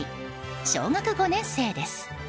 小学５年生です。